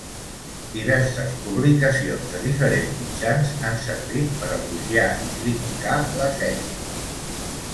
Diverses publicacions de diferents mitjans han servit per elogiar i criticar la sèrie.